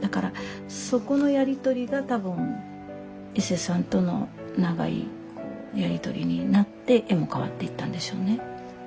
だからそこのやり取りが多分いせさんとの長いやり取りになって絵も変わっていったんでしょうね。